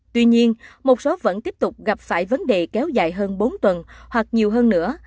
tuy nhiên một số vẫn tiếp tục gặp phải vấn đề kéo dài hơn bốn tuần hoặc nhiều hơn nữa